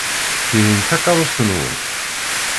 Tihin d takeṛṛust-nwen.